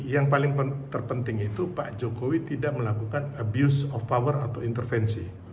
yang paling terpenting itu pak jokowi tidak melakukan abuse of power atau intervensi